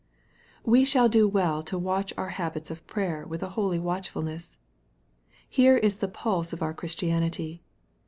* We shall do well to watch our habits of prayer with a boly watchfulness. Here is the pulse of our Christianity.